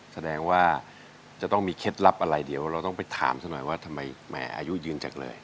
แสดงว่าจะต้องมีเคล็ดลับอะไรเดี๋ยวเราต้องไปถามซะหน่อยว่าทำไมแหมอายุยืนจังเลย